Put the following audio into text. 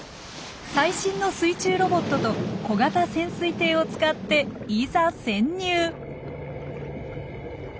最新の水中ロボットと小型潜水艇を使っていざ潜入！